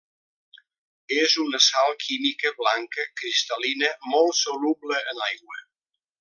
És una sal química blanca cristal·lina molt soluble en aigua.